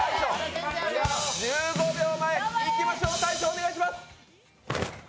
１５秒前、いきましょう、大昇、お願いします。